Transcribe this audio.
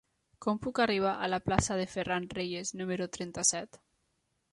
Com puc arribar a la plaça de Ferran Reyes número trenta-set?